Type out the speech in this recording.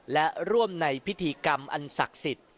และร่วมในพิธีกรรมอันศักดิ์สิทธิ์